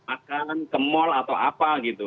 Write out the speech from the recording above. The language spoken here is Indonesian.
akan ke mall atau apa gitu